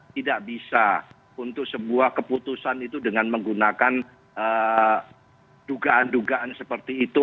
tidak bisa untuk sebuah keputusan itu dengan menggunakan dugaan dugaan seperti itu